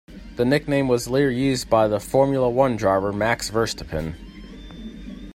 The nickname was later used by the Formula One driver Max Verstappen.